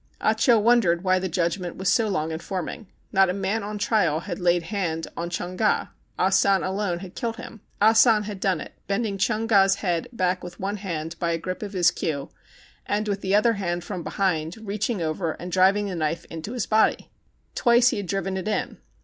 Ah Cho wondered why the judgment was so long in forming. Not a man on trial had laid hand on Chung Ga. Ah San alone had killed him. Ah San had done it, bending Chung Ga's head back with one hand by a grip of his queue, and with the other hand, from behind, THE CHINAGO 165 reaching over and driving the knife into his body. Twice had he driven it in.